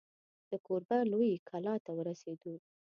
د کوربه لویې کلا ته ورسېدو.